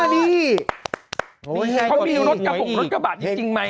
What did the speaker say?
อ๋อนี่ไงเขามีรถกระปุ๊กรถกระบาดจริงไหม